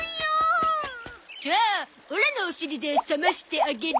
じゃあオラのお尻で冷ましてあげる。